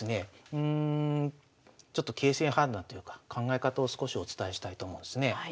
うんちょっと形勢判断というか考え方を少しお伝えしたいと思うんですね。